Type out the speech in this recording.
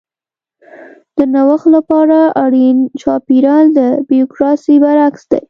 د نوښت لپاره اړین چاپېریال د بیوروکراسي برعکس دی.